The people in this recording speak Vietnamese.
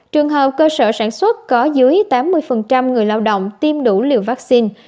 trường học cơ sở sản xuất có dưới tám mươi người lao động tiêm đủ liều vaccine